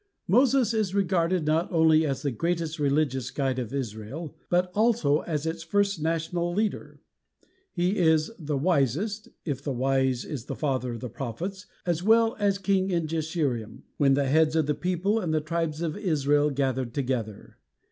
Moses is regarded not only as the greatest religious guide of Israel, but also as its first national leader; he is "the wisest (If the wise, the father of the prophets," as well as " king in Jeshiurun, when the heads of the people and the tribes of Israel gathered together."